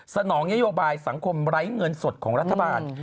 นองนโยบายสังคมไร้เงินสดของรัฐบาล